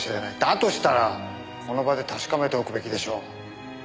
だとしたらこの場で確かめておくべきでしょう。